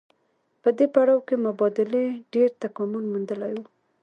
په دې پړاو کې مبادلې ډېر تکامل موندلی وو